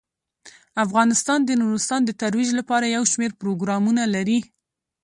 افغانستان د نورستان د ترویج لپاره یو شمیر پروګرامونه لري.